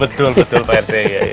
betul betul pak rt